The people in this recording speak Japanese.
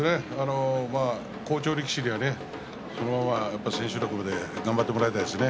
好調力士には、そのまま千秋楽まで頑張ってほしいです。